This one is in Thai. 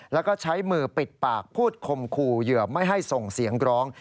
แล้วก็ใช้มือปิดปากพูดคมคู่เหยื่อไม่ให้ส่งเสียงร้อง